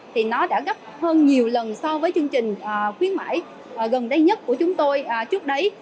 thì nó đã gấp hơn nhiều lần so với chương trình khuyến mãi gần đây nhất của chúng tôi trước đấy